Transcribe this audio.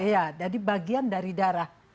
iya jadi bagian dari darah